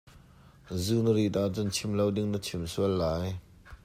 Zu na rit ahcun chim lo ding na chim sual lai.